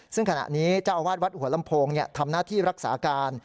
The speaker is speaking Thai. ซึ่งขณะนี้เจ้าอาวาสวัดหัวลำโพงทำหน้าที่รักษาการ